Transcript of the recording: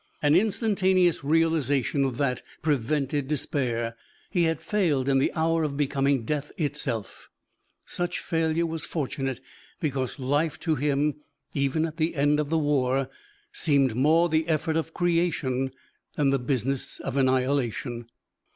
An instantaneous realization of that prevented despair. He had failed in the hour of becoming death itself; such failure was fortunate because life to him, even at the end of the war, seemed more the effort of creation than the business of annihilation.